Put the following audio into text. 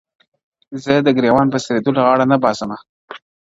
زه د ګرېوان په څېرېدلو غاړه نه باسمه,